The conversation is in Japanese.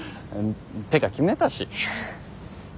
てか決めたし。